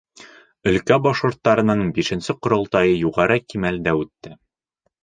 Өлкә башҡорттарының бишенсе ҡоролтайы юғары кимәлдә үтте.